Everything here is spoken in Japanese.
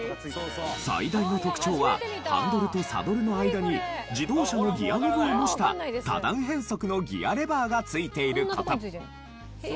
最大の特徴はハンドルとサドルの間に自動車のギアノブを模した多段変速のギアレバーがついている事。